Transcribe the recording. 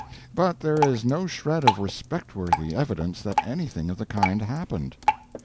But there is no shred of respectworthy evidence that anything of the kind happened.